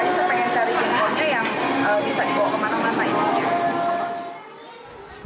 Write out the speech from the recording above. jadi saya pengen cari jengkolnya yang bisa dibawa kemana mana